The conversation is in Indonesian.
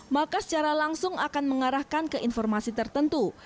maka secara langsung akan mengarahkan ke informasi tertentu